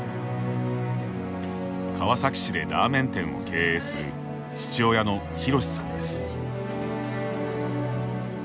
川崎市でラーメン店を経営する父親の宏さんです。